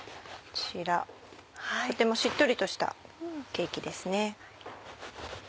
こちらとてもしっとりとしたケーキですね。